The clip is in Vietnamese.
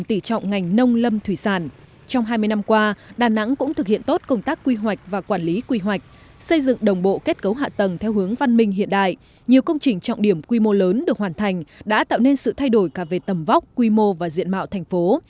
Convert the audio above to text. trong hai mươi năm qua đà nẵng cũng thực hiện tốt công tác quy hoạch và quản lý quy hoạch xây dựng đồng bộ kết cấu hạ tầng theo hướng văn minh hiện đại nhiều công trình trọng điểm quy mô lớn được hoàn thành đã tạo nên sự thay đổi cả về tầm vóc quy mô và diện mạo thành phố